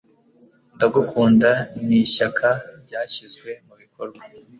ndagukunda nishyaka ryashyizwe mubikorwa